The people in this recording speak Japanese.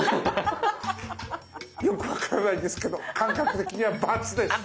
よく分からないですけど感覚的にはバツです。